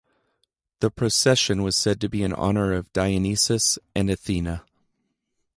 The procession was said to be in honor of Dionysus and Athena.